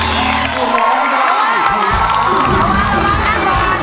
ร้องได้ให้เลิศ